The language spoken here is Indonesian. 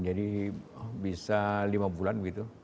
jadi bisa lima bulan gitu